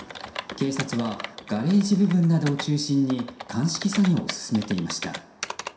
警察はガレージ部分などを中心に鑑識作業を進めていました。